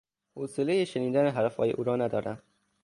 حوصلهی شنیدن حرفهای او را ندارم.